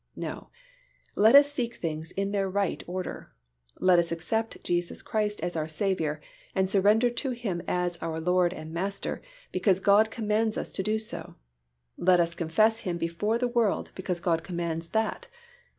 No, let us seek things in their right order. Let us accept Jesus Christ as our Saviour, and surrender to Him as our Lord and Master, because God commands us to do so; let us confess Him before the world because God commands that (Matt.